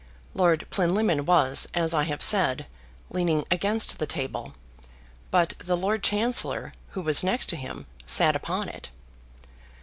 Lord Plinlimmon was, as I have said, leaning against the table, but the Lord Chancellor, who was next to him, sat upon it.